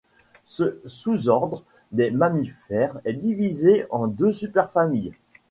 Ce sous-ordre des mammifères est divisé en deux superfamilles.